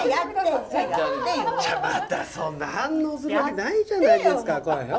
またそんな反応するわけないじゃないですかこうでしょ。